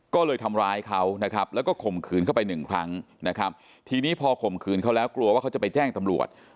ก็เลยทำร้ายเขานะครับแล้วก็ข่มขืนเข้าไปหนึ่งครั้งนะครับทีนี้พอข่มขืนเขาแล้วกลัวว่าเขาจะไปแจ้งตำรวจ